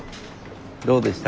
どうでした？